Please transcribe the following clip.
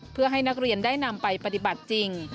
เพื่อให้นักเรียนได้นำไปปฏิบัติจริง